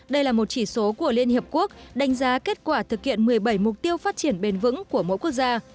đây là một chỉ số của liên hiệp quốc đánh giá kết quả thực hiện một mươi bảy mục tiêu phát triển bền vững của mỗi quốc gia